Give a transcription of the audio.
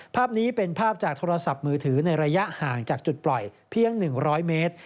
ภาพนี้เป็นภาพจากโทรศัพท์มือถือในระยะห่างจากจุดปล่อยเพียง๑๐๐เมตร